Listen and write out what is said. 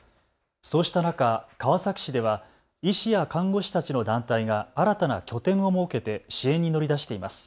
そうした中、川崎市では医師や看護師たちの団体が新たな拠点を設けて支援に乗り出しています。